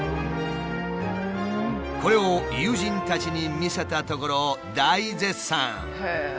これを友人たちに見せたところ大絶賛。